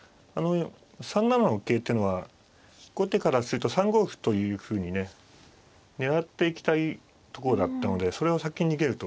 ３七の桂っていうのは後手からすると３五歩というふうにね狙っていきたいとこだったのでそれを先に逃げると。